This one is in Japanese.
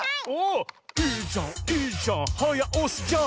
「いいじゃんいいじゃんはやおしじゃん」